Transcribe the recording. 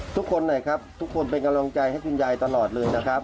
ทุกคนนะครับทุกคนเป็นกำลังใจให้คุณยายตลอดเลยนะครับ